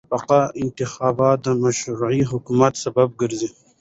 شفاف انتخابات د مشروع حکومت سبب ګرځي